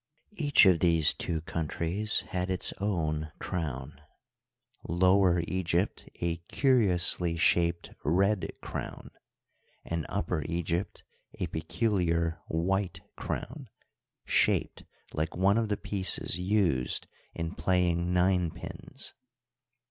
Each of these two countries had its own crown — Lower Egypt a curiously shaped red crown, and Upper Egypt a peculiar white crown, shaped like one of the pieces used in playing nine pins.